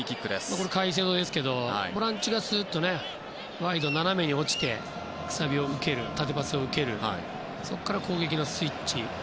カイセド、ボランチがワイド、斜めに落ちてくさびを受ける縦パスを受けるそこから攻撃のスイッチ。